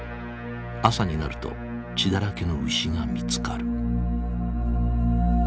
朝になると血だらけの牛が見つかる。